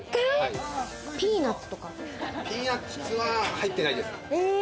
ピーナッツは入ってないです。